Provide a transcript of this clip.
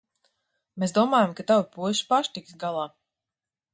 Mēs domājām, ka tavi puiši paši tiks galā.